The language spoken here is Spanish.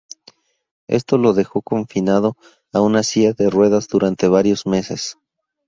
Esto lo dejó confinado a una silla de ruedas durante varios meses.